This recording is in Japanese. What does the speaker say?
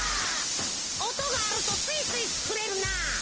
おとがあるとすいすいつくれるな！